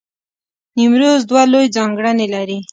نیمروز دوه لوی ځانګړنې لرلې.